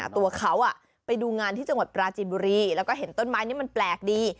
ตัวเขาไปดูงานที่จังหวัดปราจีนบุรีแล้วก็เห็นต้นไม้นี้มันแปลกดี